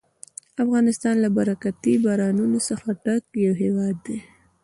افغانستان له برکتي بارانونو څخه ډک یو هېواد دی.